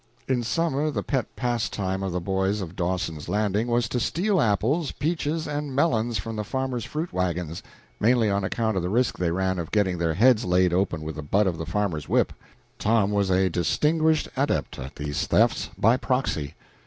In summer the pet pastime of the boys of Dawson's Landing was to steal apples, peaches, and melons from the farmers' fruit wagons, mainly on account of the risk they ran of getting their heads laid open with the butt of the farmer's whip. Tom was a distinguished adept at these thefts by proxy.